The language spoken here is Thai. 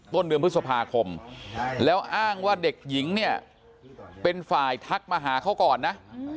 ต้นเดือนพฤษภาคมแล้วอ้างว่าเด็กหญิงเนี่ยเป็นฝ่ายทักมาหาเขาก่อนนะ